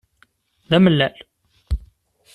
D amellal?